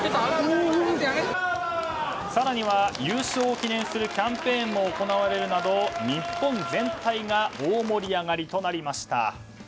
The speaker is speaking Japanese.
更には、優勝を記念するキャンペーンも行われるなど日本全体が大盛り上がりとなりました。